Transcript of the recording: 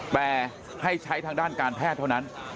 แต่ให้ใช้ทางด้านการแพทย์เท่านั้น